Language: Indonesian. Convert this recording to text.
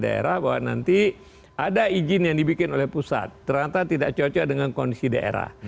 daerah bahwa nanti ada izin yang dibikin oleh pusat ternyata tidak cocok dengan kondisi daerah